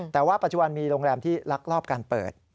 แต่ว่าปัจจุบันมีโรงแรมที่ลักลอบการเปิด